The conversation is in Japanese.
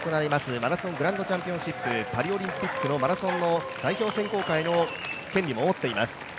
マラソングランドチャンピオンシップパリオリンピックのマラソン代表選考会の権利も持っています。